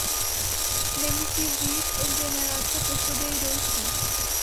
Nemusí vždy jít o generace po sobě jdoucí.